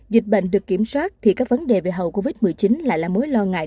dịch bệnh được kiểm soát thì các vấn đề về hậu covid một mươi chín lại là mối lo ngại